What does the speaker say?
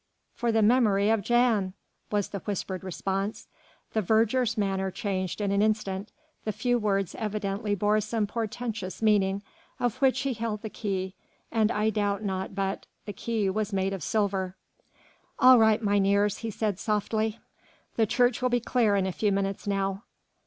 "For the memory of Jan!" was the whispered response. The verger's manner changed in an instant, the few words evidently bore some portentous meaning of which he held the key and I doubt not but that the key was made of silver. "All right, mynheers," he said softly, "the church will be clear in a few minutes now."